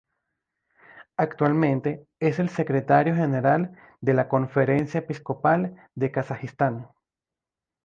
Actualmente es el Secretario General de la Conferencia Episcopal de Kazajistán.